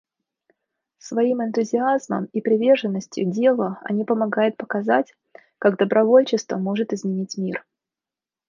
Своим энтузиазмом и приверженностью делу они помогают показать, как добровольчество может изменить мир.